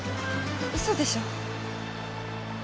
嘘でしょ？